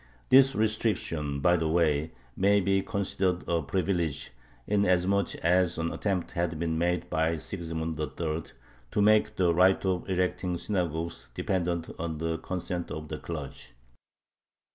This restriction, by the way, may be considered a privilege, inasmuch as an attempt had been made by Sigismund III. to make the right of erecting synagogues dependent on the consent of the clergy.